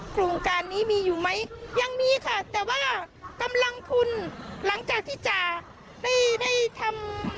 โครงการนี้มีอยู่ไหมยังมีค่ะแต่ว่ากำลังทุนหลังจากที่จะได้ได้ทำ